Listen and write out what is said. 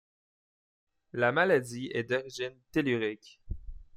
La maladie est d'origine tellurique.